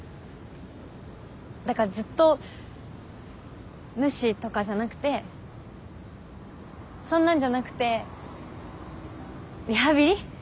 だからずっと無視とかじゃなくてそんなんじゃなくてリハビリ？